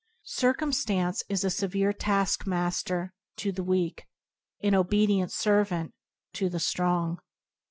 Circumstance is a severe taskmaster to the weak, an obedient servant to the strong.